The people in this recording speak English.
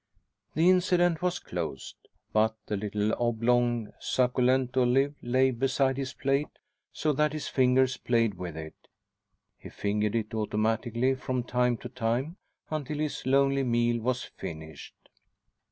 The incident was closed. But the little oblong, succulent olive lay beside his plate, so that his fingers played with it. He fingered it automatically from time to time until his lonely meal was finished.